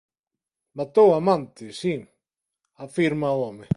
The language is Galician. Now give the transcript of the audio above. Matou á amante, si –afirma o home–.